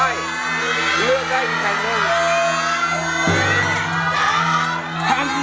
อีก๒แผ่นนะครับ